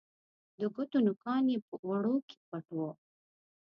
د ګوتو نوکان یې په اوړو کې پټ وه